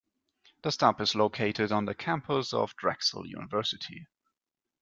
The stop is located on the campus of Drexel University.